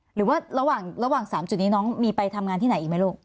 หรือว่าระหว่าง๓จุดนี้น้องมีไปทำงานที่ไหนอีกไหมลูก